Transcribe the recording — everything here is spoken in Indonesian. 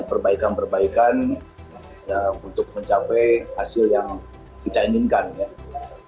oleh karena selanjutnya karenaanya yangverse tentang poni terjadi